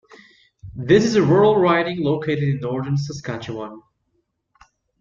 This is a rural riding located in northern Saskatchewan.